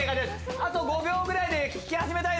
あと５秒ぐらいで引き始めたい。